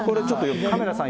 カメラさん